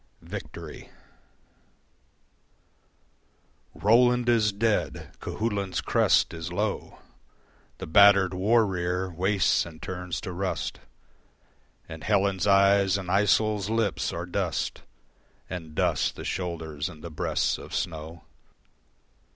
Victory Roland is dead, Cuchulain's crest is low, The battered war rear wastes and turns to rust, And Helen's eyes and Iseult's lips are dust And dust the shoulders and the breasts of snow.